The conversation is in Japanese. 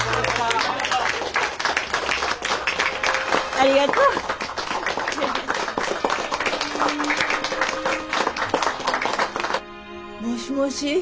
ありがとう。もしもしさくら